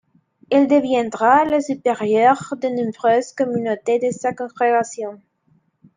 Elle deviendra la supérieure de nombreuses communautés de sa congrégation.